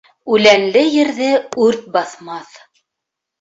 Үләнле ерҙе үрт баҫмаҫ.